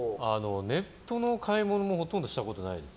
ネットの買い物もほとんどしたことないです。